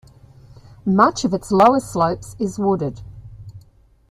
Much of its lower slopes is wooded.